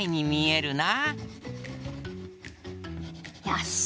よし！